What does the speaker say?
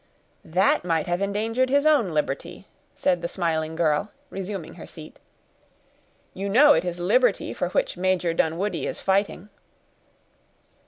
"That might have endangered his own liberty," said the smiling girl, resuming her seat. "You know it is liberty for which Major Dunwoodie is fighting."